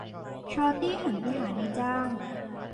ชอร์ตี้หันไปหานายจ้าง